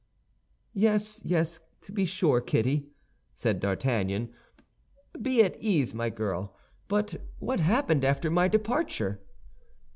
"Yes, yes, to be sure, Kitty," said D'Artagnan; "be at ease, my girl. But what happened after my departure?"